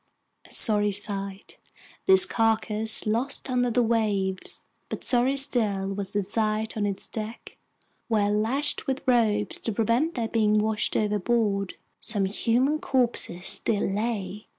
A sorry sight, this carcass lost under the waves, but sorrier still was the sight on its deck, where, lashed with ropes to prevent their being washed overboard, some human corpses still lay!